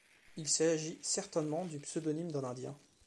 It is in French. Il s'agit certainement du pseudonyme d'un indien.